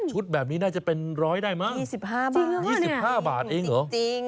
ชุดแบบนี้น่าจะเป็นร้อยได้มั้ง๒๕บาทเองเหรอ